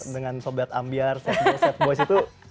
dengan sobat ambiar setboys setboys itu